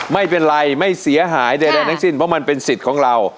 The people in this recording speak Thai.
ไม่เป็นไรไม่เสียหายใดทั้งสิ้นเพราะมันเป็นสิทธิ์ของเรา